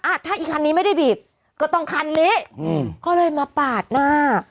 อ่ะถ้าอีกคันนี้ไม่ได้บีบก็ต้องคันนี้อืมก็เลยมาปาดหน้า